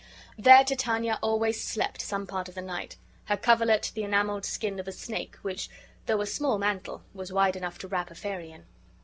There Titania always slept some part of the night; her coverlet the enameled skin of a snake, which, though a small mantle, was wide enough to wrap a fairy in.